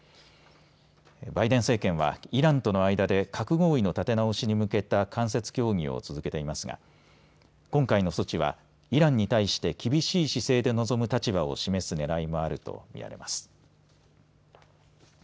バイデン政権はイランとの間で核合意の立て直しに向けた間接協議を続けていますが今回の措置は、イランに対して厳しい姿勢で臨む立場を示すねらいもあると見られます。